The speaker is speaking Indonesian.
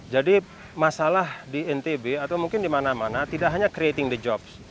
jadi masalah di ntb atau mungkin di mana mana tidak hanya creating the job